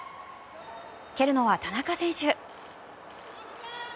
蹴るのは田中選手。